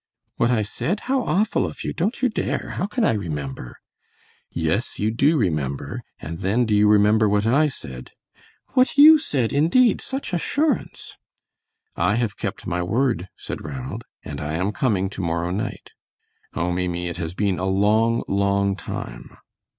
"What I said? How awful of you; don't you dare! How can I remember?" "Yes, you do remember, and then do you remember what I said?" "What YOU said indeed! Such assurance!" "I have kept my word," said Ranald, "and I am coming to morrow night. Oh, Maimie, it has been a long, long time."